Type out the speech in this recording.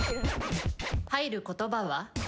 入る言葉は？